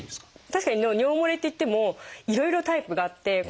確かに尿もれっていってもいろいろタイプがあって。